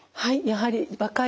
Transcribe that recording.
はい。